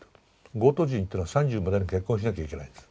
ゴート人っていうのは３０までに結婚しなきゃいけないんです。